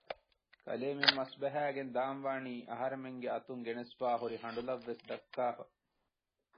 ކަލޭމެން މަސްބަހައިގެން ދާންވާނީ އަހަރުމެންގެ އަތުން ގެނެސްފައިހުރި ހަނޑުލަށް ވެސް ދައްކާފަ